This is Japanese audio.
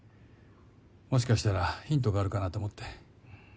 もしかしたらヒントがあるかなと思って。